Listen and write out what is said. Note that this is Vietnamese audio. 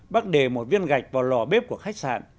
bác để một viên gạch vào lò bếp của khách sạn